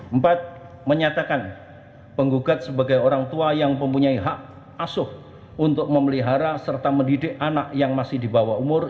empat menyatakan penggugat sebagai orang tua yang mempunyai hak asuh untuk memelihara serta mendidik anak yang masih di bawah umur